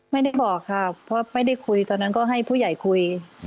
ไม่ได้บอกค่ะเพราะไม่ได้คุยตอนนั้นก็ให้ผู้ใหญ่คุย